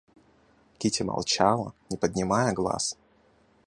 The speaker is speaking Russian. Кити молчала, не поднимая глаз.